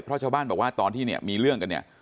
พระเจ้าบ้านบอกว่าตอนที่นี้มีเรื่องกันเนี่ย